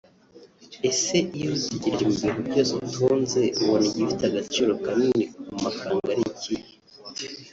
Ese iyo witegereje mu bintu byose utunze ubona igifite agaciro kanini mu mafaranga ari ikihe